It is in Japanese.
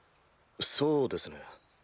そうですね。